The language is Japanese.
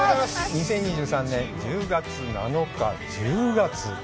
２０２３年１０月７日、１０月。